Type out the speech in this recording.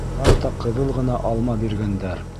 Хатта ҡыҙыл ғына алма биргәндәр.